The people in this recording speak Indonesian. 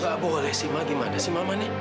oh nggak boleh sih ma gimana sih mama nih